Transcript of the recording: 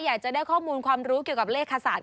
อยากจะได้ข้อมูลความรู้เกี่ยวกับเลขคศาสต